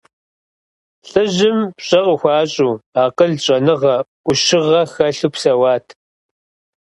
Лӏыжьым пщӀэ къыхуащӀу, акъыл, щӀэныгъэ, Ӏущыгъэ хэлъу псэуат.